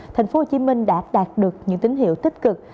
tp hcm đã đạt được những tín hiệu tích cực